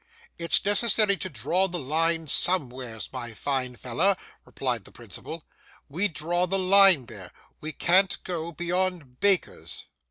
'It's necessary to draw the line somewheres, my fine feller,' replied the principal. 'We draw the line there. We can't go beyond bakers.